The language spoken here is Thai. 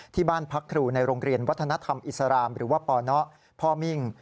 ที่บ้านพักครูในโรงเรียนวัฒนธรรมอิสรามหรือว่าปนพ่อมิ่ง